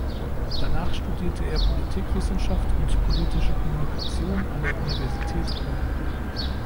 Danach studierte er Politikwissenschaft und Politische Kommunikation an der Universität Köln.